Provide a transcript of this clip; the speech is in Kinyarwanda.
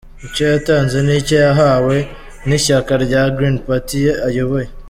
Icyo yatanze ni icyo yahawe n’ishyaka Green Party ayoboye.